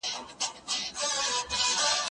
زه پرون موسيقي واورېده،